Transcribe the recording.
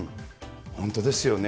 本当ですよね。